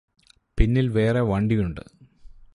പിന്നിൽ വേറെ വണ്ടിയുണ്ട്